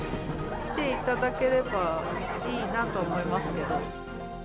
来ていただければいいなと思いますけど。